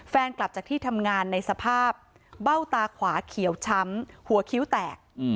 กลับจากที่ทำงานในสภาพเบ้าตาขวาเขียวช้ำหัวคิ้วแตก